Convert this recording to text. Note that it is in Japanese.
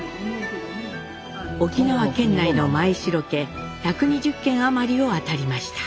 沖縄県内の前城家１２０件余りを当たりました。